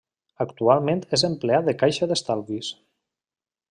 Actualment és empleat de caixa d'estalvis.